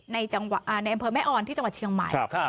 ในอำเภอแม่ออนที่จังหวัดเชียงใหม่